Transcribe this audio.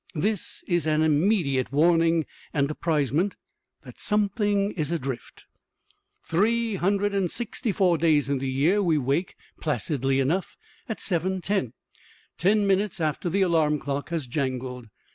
This is an immediate warning and apprisement that something is adrift. Three hundred and sixty four days in the year we wake, placidly enough, at seven ten, ten minutes after the alarm clock has jangled.